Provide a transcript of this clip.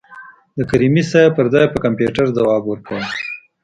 د کریمي صیب پر ځای به کمپیوټر ځواب ورکاوه.